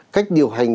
cách điều hành